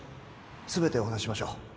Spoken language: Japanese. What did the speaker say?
全てお話ししましょう